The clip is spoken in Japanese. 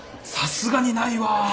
さすがにないわ。